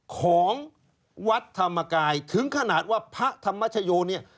ของวัดธรรมกายถึงขนาดว่าพระธรรมชโยเนี่ย